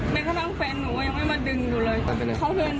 แม่ข้าตั้งแฟนหนูก็ยังไม่มาดึงหนูเลยเขาเดินหนีไปเลยแล้วทั้งสองคน